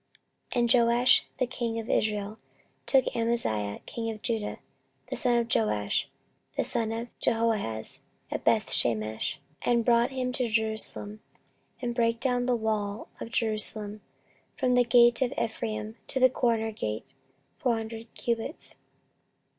14:025:023 And Joash the king of Israel took Amaziah king of Judah, the son of Joash, the son of Jehoahaz, at Bethshemesh, and brought him to Jerusalem, and brake down the wall of Jerusalem from the gate of Ephraim to the corner gate, four hundred cubits.